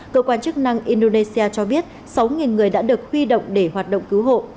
cơ quan chức năng indonesia cho biết sáu người đã được huy động để hoạt động cứu hộ